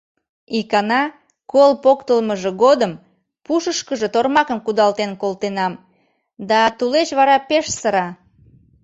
Икана кол поктылмыжо годым пушышкыжо тормакым кудалтен колтенам да, тулеч вара пеш сыра.